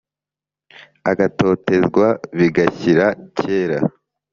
agatotezwa bigashyira kera